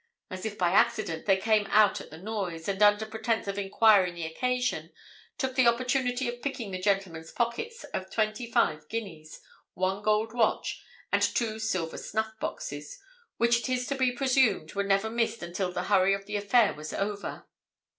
As if by accident they came out at the noise, and under pretence of enquiring the occasion, took the opportunity of picking the gentleman's pockets of twenty five guineas, one gold watch, and two silver snuff boxes, which it is to be presumed were never missed until the hurry of the affair was over.